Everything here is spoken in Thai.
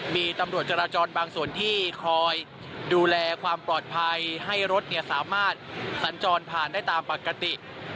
มีตำรวจจราจรบางส่วนที่คอยดูแลความปลอดภัยให้รถสามารถสัญจรผ่านได้ตามปกติ